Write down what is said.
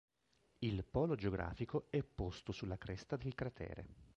Il polo geografico è posto sulla cresta del cratere.